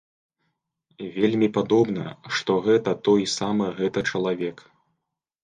Вельмі падобна, што гэта той самы гэта чалавек.